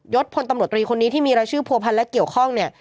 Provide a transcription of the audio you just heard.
ศพลตำรวจตรีคนนี้ที่มีรายชื่อผัวพันธ์และเกี่ยวข้องเนี่ย